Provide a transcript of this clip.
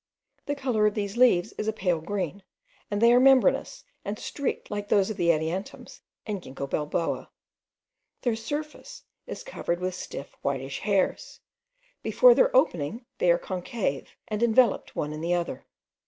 The colour of these leaves is a pale green, and they are membranous and streaked like those of the adiantums and Gingko biloba. Their surface is covered with stiff whitish hairs; before their opening they are concave, and enveloped one in the other.